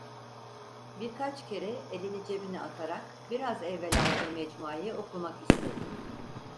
Birkaç kere elini cebine atarak biraz evvel aldığı mecmuayı okumak istedi.